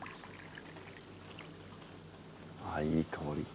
あいい香り。